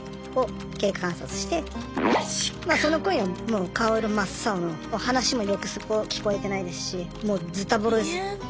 そのころにはもう顔色真っ青の話もろくすっぽ聞こえてないですしもうズタボロです。